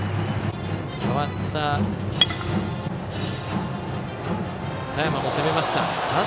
代わった佐山も攻めました。